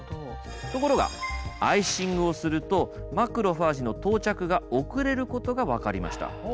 ところがアイシングをするとマクロファージの到着が遅れることが分かりました。